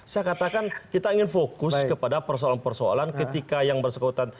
saya katakan kita ingin fokus kepada persoalan persoalan ketika yang bersangkutan